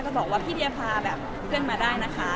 ก็บอกว่าพี่เดียพาแบบเพื่อนมาได้นะคะ